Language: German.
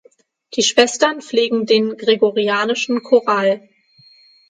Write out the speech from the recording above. Die Schwestern pflegen den Gregorianischen Choral.